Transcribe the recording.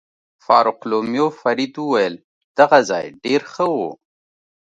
فاروقلومیو فرید وویل: دغه ځای ډېر ښه و.